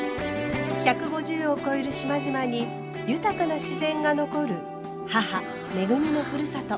１５０を超える島々に豊かな自然が残る母めぐみのふるさと。